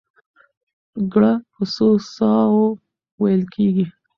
ګړه په څو ساه وو وېل کېږي؟